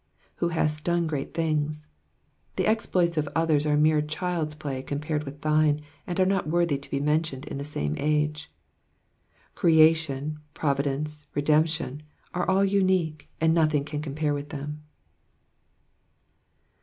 Who hast done great things.''^ The exploits of others are mere child's play compared with thine, and are not worthy to be mentioned in the same age. Creation, providence, redemption, are all unique, and nothing can compare with them.